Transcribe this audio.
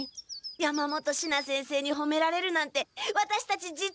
山本シナ先生にほめられるなんてワタシたち実はすごいんじゃ。